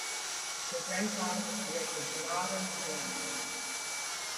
Their grandfather was director Gennaro Righelli.